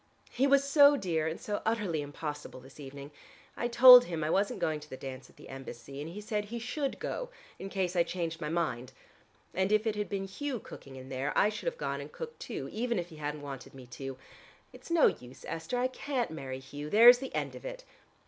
He was so dear and so utterly impossible this evening. I told him I wasn't going to the dance at the Embassy, and he said he should go in case I changed my mind. And if it had been Hugh cooking in there, I should have gone and cooked too, even if he hadn't wanted me to. It's no use, Esther: I can't marry Hugh. There's the end of it.